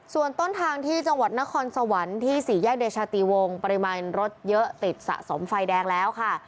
ส่วนต้นทางที่จังหวัดนครสวรรค์ที่สี่แยกเดชาติวงปริมาณรถเยอะติดสะสมไฟแดงแล้วค่ะ